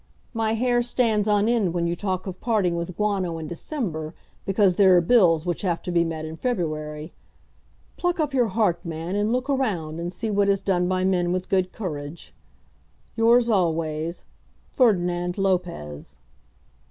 My hair stands on end when you talk of parting with guano in December because there are bills which have to be met in February. Pluck up your heart, man, and look around, and see what is done by men with good courage. Yours always, FERDINAND LOPEZ.